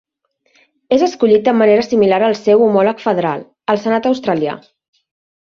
És escollit de manera similar al seu homòleg federal, el Senat australià.